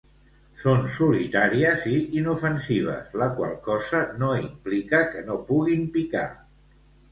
Són solitàries i inofensives, la qual cosa no implica que no puguin picar.